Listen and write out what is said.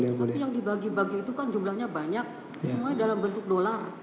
tapi yang dibagi bagi itu kan jumlahnya banyak semuanya dalam bentuk dolar